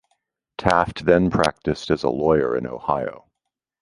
Taft then practiced as a lawyer in Ohio.